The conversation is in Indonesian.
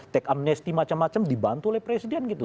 tech amnesti macam macam dibantu oleh presiden gitu